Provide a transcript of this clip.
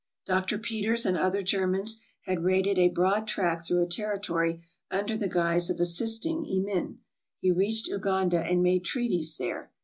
Dr. Peters and other Germans had raided a broad track through a territory under the guise of assisting Emin. He reached Uganda and made treaties there.